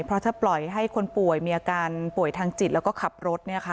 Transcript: เพราะถ้าปล่อยให้คนป่วยมีอาการป่วยทางจิตแล้วก็ขับรถ